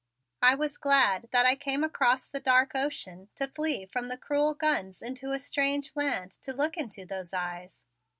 I was glad that I came across the dark ocean to flee from the cruel guns into a strange land to look into those eyes.